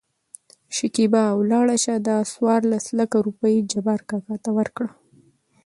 شکېبا : ولاړ شه دا څورلس لکه روپۍ جبار کاکا ته ورکړه.